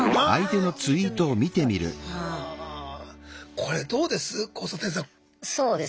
これどうです？